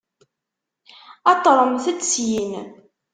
Aṭremt-d syin!